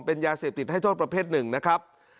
เป็นยาเสพติดให้โทษประเภทหนึ่งนะครับ